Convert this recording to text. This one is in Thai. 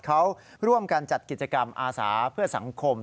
เขาร่วมกันจัดกิจกรรมอาสาเพื่อสังคม